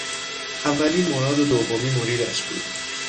اولی مراد و دومی مریدش بود